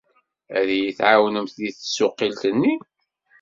Ad iyi-tɛawnemt deg tsuqqilt-nni?